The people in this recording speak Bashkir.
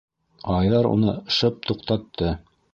Айҙар уны шып туҡтатты: